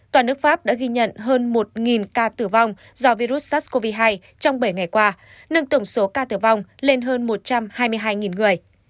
toàn nước pháp đã ghi nhận hơn một ca tử vong do virus sars cov hai trong bảy ngày qua nâng tổng số ca tử vong lên hơn một trăm hai mươi hai người